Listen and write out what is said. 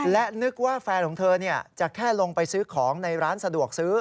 และนึกว่าแฟนของเธอจะแค่ลงไปซื้อของในร้านสะดวกซื้อ